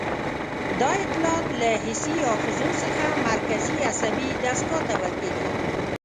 دا اطلاعات له حسي آخذو څخه مرکزي عصبي دستګاه ته ورکوي.